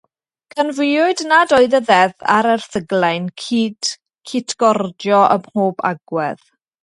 Canfuwyd nad oedd y ddeddf a'r erthyglau'n cytgordio ym mhob agwedd.